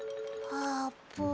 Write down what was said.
あーぷん？